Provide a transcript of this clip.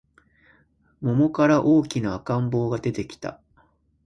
桃から大きな赤ん坊が出てきた